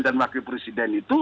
dan wakil presiden itu